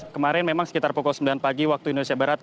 kemarin memang sekitar pukul sembilan pagi waktu indonesia barat